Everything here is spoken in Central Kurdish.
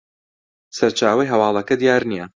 سەرچاوەی هەواڵەکە دیار نییە